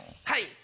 はい。